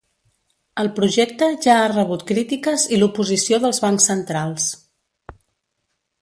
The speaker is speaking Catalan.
El projecte ja ha rebut crítiques i l'oposició dels bancs centrals.